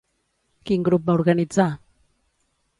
Quin grup va organitzar?